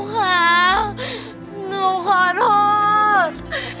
แม่หนูขอโทษ